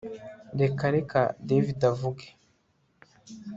Reka reka David avuge